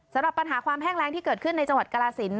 สำหรับปัญหาความแห้งแรงที่เกิดขึ้นในจังหวัดกรสิน